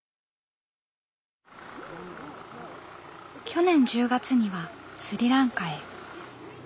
去年１０月にはスリランカへ。